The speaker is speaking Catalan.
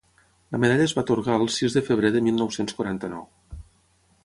La medalla es va atorgar el sis de febrer de mil nou-cents quaranta-nou.